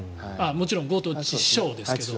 もちろん強盗致傷ですけど。